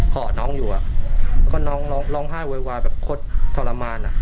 ห่อน้องอยู่แล้วก็น้องร้องไห้วายแบบโคตรทรมาน